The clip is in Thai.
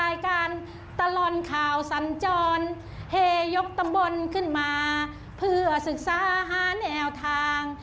ยกตำบลขึ้นมาเพื่อศึกษาห้าแนวทาง